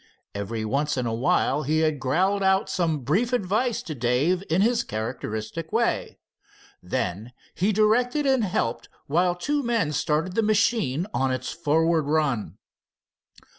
Every once in a while he had growled out some brief advice to Dave in his characteristic way. Then he directed and helped, while two field men started the machine on its forward run.